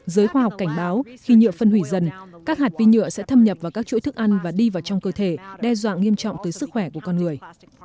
giới khoa học cảnh báo khi nhựa phân hủy dần các hạt vi nhựa sẽ thâm nhập vào các chuỗi thức ăn và đi vào trong cơ thể đe dọa nghiêm trọng tới sức khỏe của con người